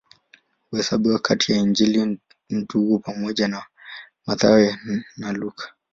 Huhesabiwa kati ya Injili Ndugu pamoja na Mathayo na Luka.